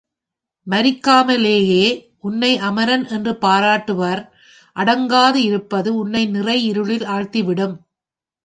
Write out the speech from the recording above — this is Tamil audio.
மரிக்காமலேயே உன்னை அமரன் என்று பாராட்டுவர் அடங்காது இருப்பது உன்னை நிறை இருளில் ஆழ்த்திவிடும்.